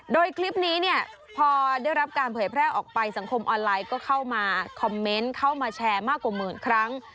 โดยคลิปนี้เนี่ยพอได้รับการเผยแพร่ออกไปสังคมออนไลน์ก็เข้ามาคอมเมนต์เข้ามาแชร์มากกว่าหมื่นครั้ง